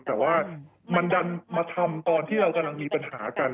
แต่ว่ามันดันมาทำตอนที่เรากำลังมีปัญหากัน